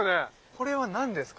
これは何ですか？